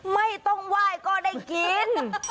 ไม่ต้องไหว้ก็ได้กิน